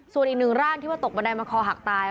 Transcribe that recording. ส่วนอีกหนึ่งร่างที่ว่าตกบันไดมาคอหักตาย